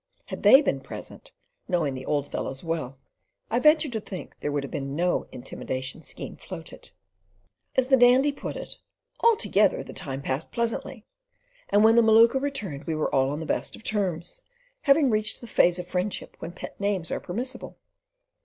Had they been present, knowing the old fellows well, I venture to think there would have been no intimidation scheme floated. As the Dandy put it, "altogether the time passed pleasantly," and when the Maluka returned we were all on the best of terms, having reached the phase of friendship when pet names are permissible.